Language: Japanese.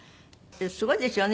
すごいですよね。